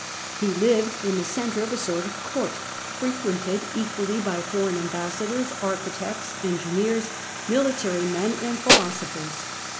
He lived in the centre of a sort of court, frequented equally by foreign ambas sadors, architects, engineers, military men, and philo sophers.